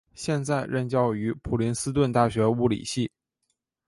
现在任教于普林斯顿大学物理系。